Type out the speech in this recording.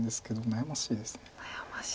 悩ましいですね。